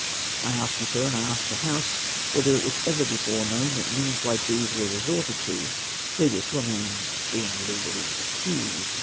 I ask you, sir, and I ask the House, whether it was ever before known, that means like these were resorted to, previous to a man's being legally accused?